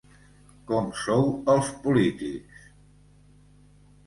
Com sou els polítics…